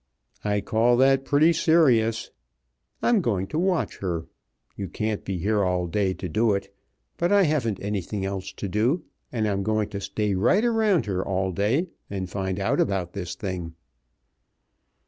I call that pretty serious. I'm going to watch her. You can't be here all day to do it, but I haven't anything else to do, and I'm going to stay right around her all day and find out about this thing."